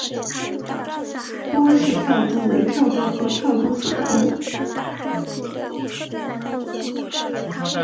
波氏跳蛛为跳蛛科跳蛛属的动物。